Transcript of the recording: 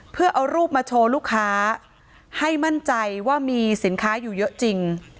เพื่อเอารูปมาโชว์ลูกค้าให้มั่นใจว่ามีสินค้าอยู่เยอะจริง